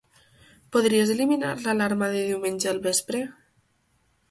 Podries eliminar l'alarma de diumenge al vespre?